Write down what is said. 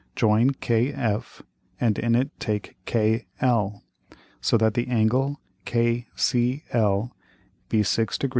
Join KF, and in it take KL, so that the Angle KCL be 6 Degr.